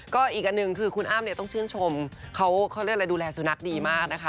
ก็อีกอันหนึ่งคือคุณอ้ำเนี่ยต้องชื่นชมเขาเรียกอะไรดูแลสุนัขดีมากนะคะ